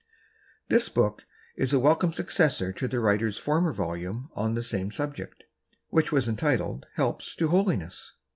^HIS BOOK is a welcome successor to the writer's former volume on the same subject, which was entitled Helps to Holiness!'